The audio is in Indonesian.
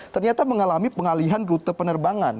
ternyata mengalami pengalihan rute penerbangan